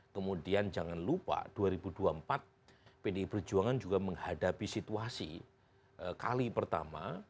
kemudian jangan lupa dua ribu dua puluh empat pdi perjuangan juga menghadapi situasi kali pertama